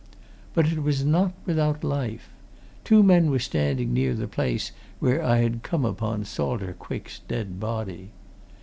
But it was not without life two men were standing near the place where I had come upon Salter Quick's dead body.